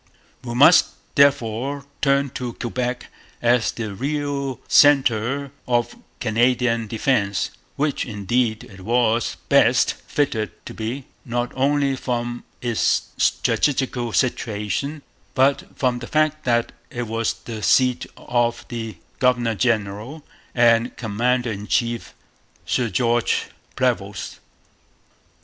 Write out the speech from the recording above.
We must therefore turn to Quebec as the real centre of Canadian defence, which, indeed, it was best fitted to be, not only from its strategical situation, but from the fact that it was the seat of the governor general and commander in chief, Sir George Prevost.